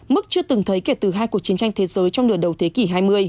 mức chưa từng thấy kể từ hai cuộc chiến tranh thế giới trong nửa đầu thế kỷ hai mươi